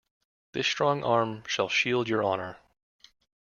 This strong arm shall shield your honor.